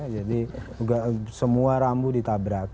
jadi semua rambu ditabrak